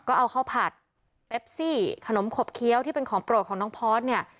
ก็เอาข้าวผัดแปปซี่ขนมขบเคี้ยวที่เป็นของโปรดของน้องพอร์ตเนี่ย